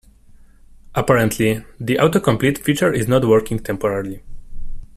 Apparently, the autocomplete feature is not working temporarily.